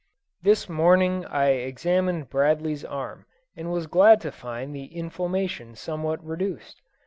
This morning I examined Bradley's arm, and was glad to find the inflammation somewhat reduced.